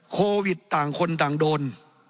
โควิดต่างคนต่างโดน